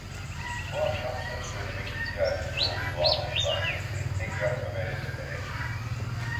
Bu akşam söz söylemek ihtiyacında olduğu anlaşılan Bedri tekrar Ömer’e dönerek: